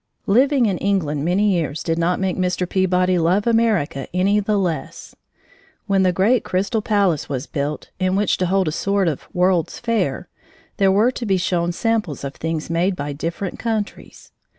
Living in England many years did not make Mr. Peabody love America any the less. When the great Crystal Palace was built in which to hold a sort of World's Fair, there were to be shown samples of things made by different countries.